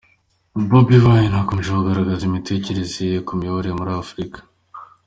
Bobi Wine akomeje kugaragaza imitekerereze ye ku miyoborere muri Afurika.